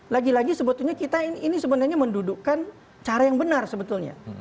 lagi lagi sebetulnya kita ini sebenarnya mendudukkan cara yang benar sebetulnya